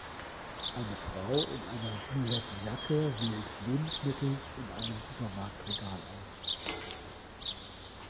Eine Frau in einer violetten Jacke wählt Lebensmittel in einem Supermarktregal aus.